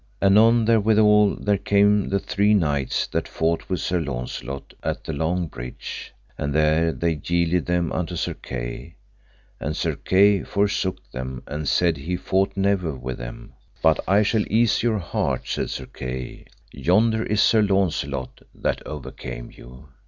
Anon therewithal there came the three knights that fought with Sir Launcelot at the long bridge. And there they yielded them unto Sir Kay, and Sir Kay forsook them and said he fought never with them. But I shall ease your heart, said Sir Kay, yonder is Sir Launcelot that overcame you.